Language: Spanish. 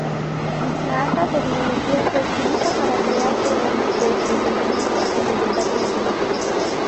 La alta tecnología se utiliza para crear programas de entretenimiento y educativos.